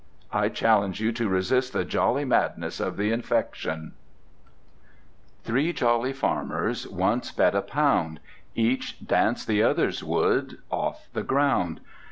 I challenge you to resist the jolly madness of its infection: Three jolly Farmers Once bet a pound Each dance the others would Off the ground.